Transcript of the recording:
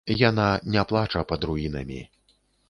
Яна не плача пад руінамі.